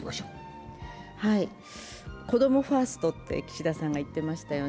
子供ファーストと岸田さんが言っていましたよね。